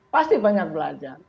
pasti banyak belajar